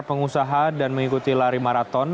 pengusaha dan mengikuti lari maraton